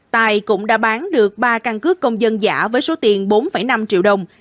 tài cũng đã bán được ba căn cước công dân giả với số tiền bốn năm triệu đồng